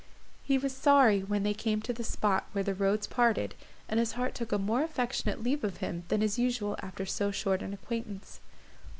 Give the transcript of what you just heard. He was sorry when they came to the spot where the roads parted, and his heart took a more affectionate leave of him than is usual after so short an acquaintance.